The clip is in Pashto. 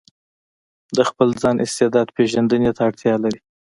د خپل ځان استعداد پېژندنې ته اړتيا لري.